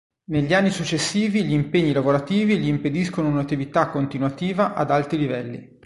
Negli anni successivi gli impegni lavorativi gli impediscono un'attività continuativa ad alti livelli.